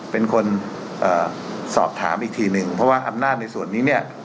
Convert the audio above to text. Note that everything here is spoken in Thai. เป็นคนสอบถามอีกทีหนึ่งเพราะว่าอำนาจในส่วนนี้เนี่ย